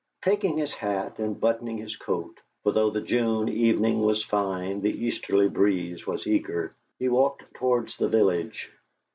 Taking his hat and buttoning his coat for though the June evening was fine the easterly breeze was eager he walked towards the village.